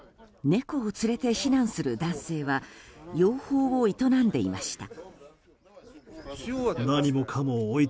猫を連れて避難する男性は養蜂を営んでいました。